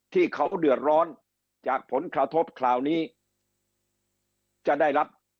ที่เขาเดือดร้อนจากผลคศพคราวนี้